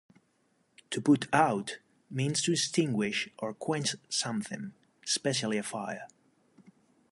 "To put out" means to extinguish or quench something, especially a fire.